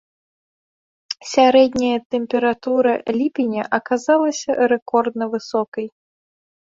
Сярэдняя тэмпература ліпеня аказалася рэкордна высокай.